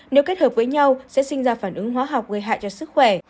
nếu kết hợp với nhau sẽ sinh ra phản ứng hóa học gây hại cho sức khỏe